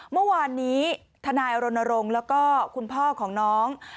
เมื่อวานนี้ทนายรณรงค์แล้วก็คุณพ่อของน้อง